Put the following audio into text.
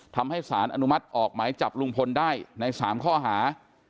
ทำให้สารอนุมัติออกหมายจับลุงพลได้ใน๓ข้อหา